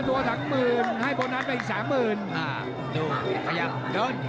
๕ตัว๓หมื่นให้โปนัสไปอีก๓หมื่น